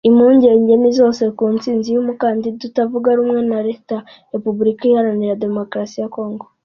Impungenge ni zose ku ntsinzi y’umukandida utavuga rumwe na Leta Repubulika Iharanira Demokarasi ya Congo